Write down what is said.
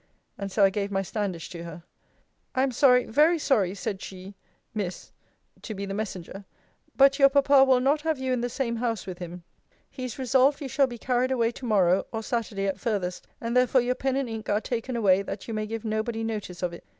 And so I gave my standish to her. I am sorry, very sorry, said she, Miss, to be the messenger: but your papa will not have you in the same house with him: he is resolved you shall be carried away to morrow, or Saturday at farthest. And therefore your pen and ink are taken away, that you may give nobody notice of it.